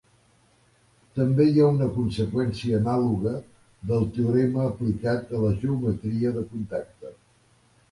També hi ha una conseqüència anàloga del teorema aplicat a la geometria de contacte.